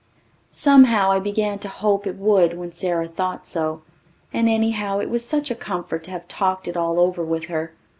Somehow, I began to hope it would when Sara thought so, and anyhow it was such a comfort to have talked it all over with her.